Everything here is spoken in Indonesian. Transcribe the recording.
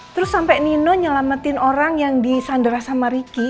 terus sampai nino nyelamatin orang yang disandera sama ricky